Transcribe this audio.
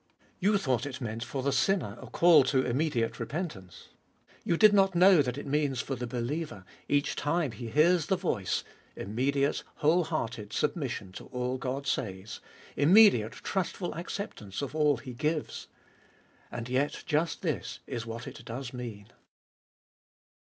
You thought it meant for the sinner a call to immediate repentance ; you did not know that it means for the believer, each time he hears the voice, immediate, whole hearted submission to all God says, immediate trustful accept ance of all He gives. And yet just this is what it does mean.